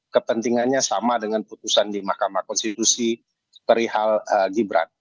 kepentingannya sama dengan putusan di mahkamah konstitusi perihal gibran